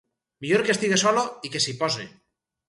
Millor que estiga sola i que s'hi pose...